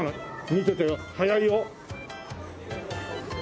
見ててよ速いよ。